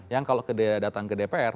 yang kalau datang ke dpr